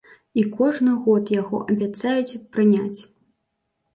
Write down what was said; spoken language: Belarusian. І кожны год яго абяцаюць прыняць.